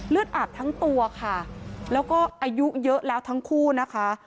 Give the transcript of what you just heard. อาบทั้งตัวค่ะแล้วก็อายุเยอะแล้วทั้งคู่นะคะ